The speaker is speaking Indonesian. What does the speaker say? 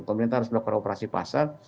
pemerintah harus melakukan operasi pasar